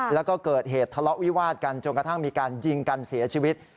แล้วก็เกิดเหตุทะเลาะวิวาดกันจนกระทั่งมีการยิงกันเสียชีวิต